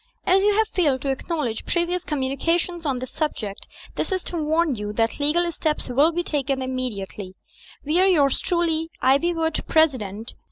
"As you have failed to acknowledge previous commumja tions on this subject, this is to warn you that legal steps ^11 be taken immediately, "We are yours truly, IvYwooD, President.